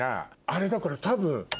あれだから多分ｓ＊